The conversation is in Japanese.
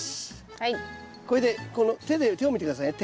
これで手で手を見て下さいね。